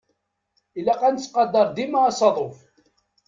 Ilaq ad nettqadar dima asaḍuf.